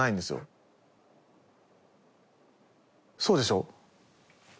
そうでしょ？